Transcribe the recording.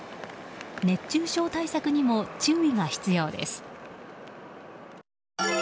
熱中症対策にも注意が必要です。